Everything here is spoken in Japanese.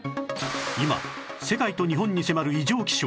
今世界と日本に迫る異常気象